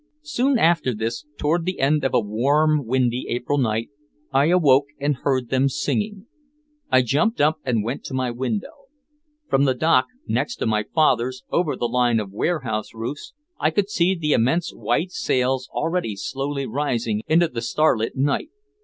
Soon after this, toward the end of a warm, windy April night, I awoke and heard them singing. I jumped up and went to my window. From the dock next to my father's, over the line of warehouse roofs, I could see the immense white sails already slowly rising into the starlit night.